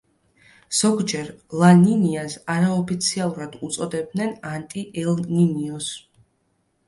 ზოგჯერ ლა-ნინიას არაოფიციალურად უწოდებენ „ანტი ელ-ნინიოს“.